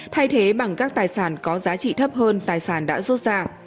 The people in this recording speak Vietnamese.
thay thế bằng các tài sản có giá trị thấp hơn tài sản đã rút ra